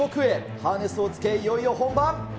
ハーネスをつけ、いよいよ本番。